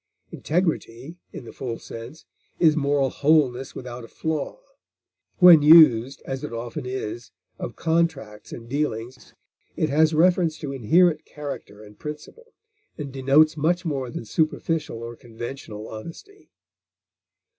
Integrity, in the full sense, is moral wholeness without a flaw; when used, as it often is, of contracts and dealings, it has reference to inherent character and principle, and denotes much more than superficial or conventional honesty.